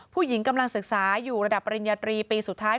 ผู้หญิงกำลังศึกษาอยู่ระดับปริญญาตรีปีสุดท้าย